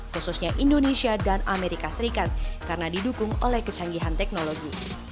khususnya indonesia dan amerika serikat karena didukung oleh kecanggihan teknologi